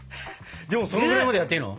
でもそのくらいまでやっていいの？